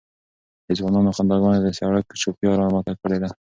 د ځوانانو خنداګانو د سړک چوپتیا را ماته کړې وه.